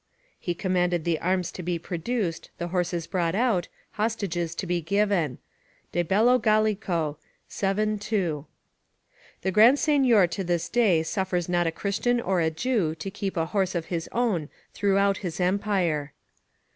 ["He commanded the arms to be produced, the horses brought out, hostages to be given." De Bello Gall., vii. II.] The Grand Signior to this day suffers not a Christian or a Jew to keep a horse of his own throughout his empire.